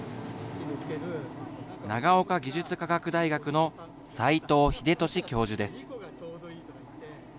長岡技術科学大学の斎藤秀俊教授です。